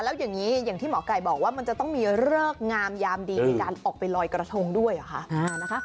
แล้วอย่างนี้อย่างที่หมอไก่บอกว่ามันจะต้องมีเลิกงามยามดีในการออกไปลอยกระทงด้วยเหรอคะ